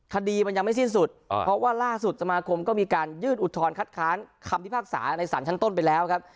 คดีมันยังไม่สิ้นสุดเพราะว่าล่าสุดสมาคมก็มีการยื่นอุทธรณคัดค้านคำพิพากษาในศาลชั้นต้นไปแล้วครับ